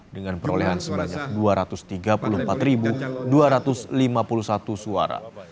dengan perolehan sebanyak dua ratus tiga puluh empat dua ratus lima puluh satu suara